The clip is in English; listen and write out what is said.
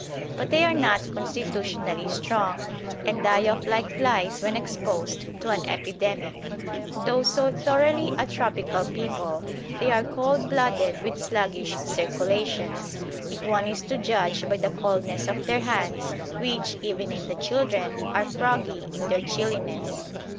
But they are not constitutionally strong, and die off like flies when exposed to an epidemic. Though so thoroughly a tropical people, they are cold blooded with sluggish circulations, if one is to judge by the coldness of their hands, which, even in the children, are froggy in their chilliness.